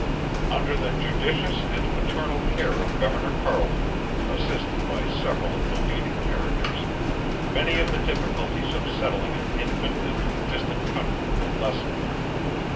Under the judicious and paternal care of Governor CARLETON, assisted by several of the leading characters, many of the difficulties of settling an infant and distant Country were lessened.